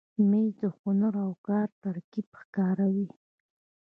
مېز د هنر او کار ترکیب ښکاروي.